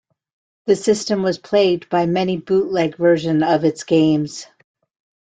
The system was plagued by many bootleg versions of its games.